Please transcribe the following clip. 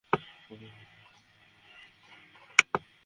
তখন রেলক্রসিং পার হওয়ায় সময় ট্রেনের ধাক্কায় সুলতানা গুরুতর আহত হন।